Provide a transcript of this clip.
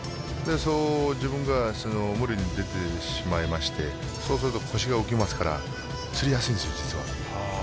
自分が無理に出てしまいましてそうすると腰が浮きますからつりやすいんですよ、実は。